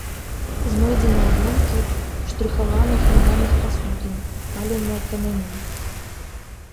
Знойдзены абломкі штрыхаваных гліняных пасудзін, абпаленыя камяні.